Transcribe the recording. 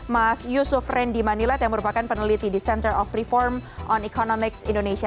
mas yusuf randy manilat yang merupakan peneliti di center of reform on economics indonesia